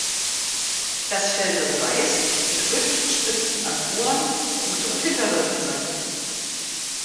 Das Fell soll weiß mit rötlichen Spitzen an Ohren, Rute und Hinterläufen sein.